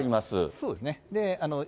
そうですね。